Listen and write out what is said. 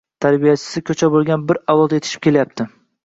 «tarbiyachi»si ko‘cha bo‘lgan bir avlod yetishib kelyapti.